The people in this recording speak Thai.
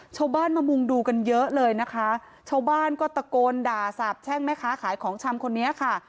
ชาวบ้านมามุงดูกันเยอะเลยนะคะชาวบ้านก็ตะโกนด่าสาบแช่งแม่ค้าขายของชำคนนี้ค่ะ